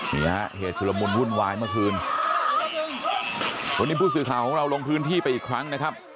นี่ฮะเหตุชุลมุนวุ่นวายเมื่อคืนวันนี้ผู้สื่อข่าวของเราลงพื้นที่ไปอีกครั้งนะครับ